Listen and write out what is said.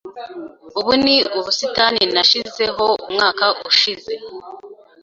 Ubu ni ubusitani nashizeho umwaka ushize.